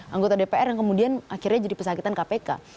anggota dpr yang kemudian akhirnya jadi pesakitan kpk